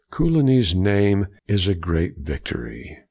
Co ligny's name is a great victory.